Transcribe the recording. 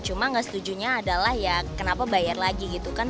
cuma nggak setujunya adalah ya kenapa bayar lagi gitu kan